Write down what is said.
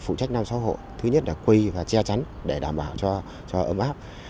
phụ trách năm sáu hộ thứ nhất là quây và che chắn để đảm bảo cho ấm áp